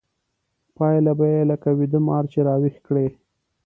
پايله به يې لکه ويده مار چې راويښ کړې.